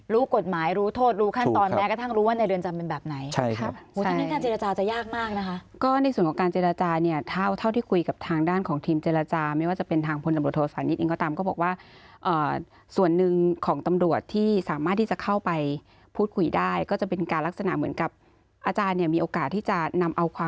รู้กฎหมายรู้โทษรู้ขั้นตอนแม้กระทั่งรู้ว่าในเรือนจำเป็นแบบไหน